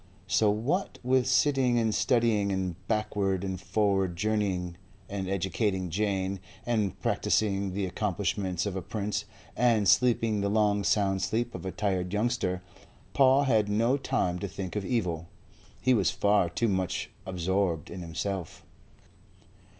So, what with sitting and studying and backward and forward journeying, and educating Jane, and practising the accomplishments of a prince, and sleeping the long sound sleep of a tired youngster, Paul had no time to think of evil. He was far too much absorbed in himself.